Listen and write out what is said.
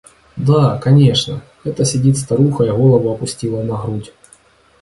Да, конечно, это сидит старуха и голову опустила на грудь.